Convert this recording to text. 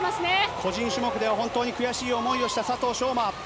個人種目では悔しい思いをした佐藤翔馬。